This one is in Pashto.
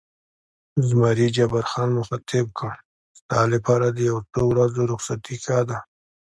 زمري جبار خان مخاطب کړ: ستا لپاره د یو څو ورځو رخصتي ښه ده.